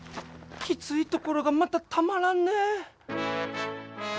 きついところがまたたまらんね。